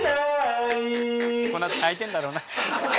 「このあと泣いてるんだろうな」